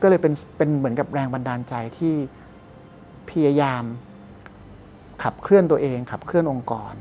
ก็เลยเป็นเหมือนกับแรงบันดาลใจที่พยายามขับเคลื่อนตัวเองขับเคลื่อองค์กร